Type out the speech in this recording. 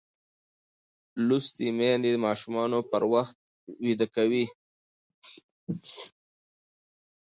لوستې میندې ماشومان پر وخت ویده کوي.